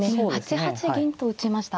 ８八銀と打ちました。